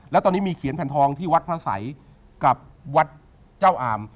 แล้วตอนนี้มีเขียนแผ่นทองที่วัดพระสัยกับวัดเจ้าอาม